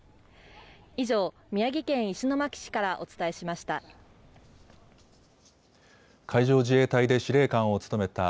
以上、宮城県石巻市からお伝えしました。